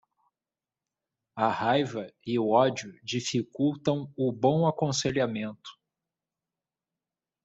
A raiva e o ódio dificultam o bom aconselhamento.